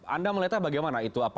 anda melihatnya bagaimana itu